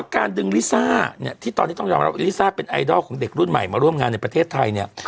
การดึงลิซ่าเนี่ยที่ตอนนี้ต้องยอมรับลิซ่าเป็นไอดอลของเด็กรุ่นใหม่มาร่วมงานในประเทศไทยเนี่ย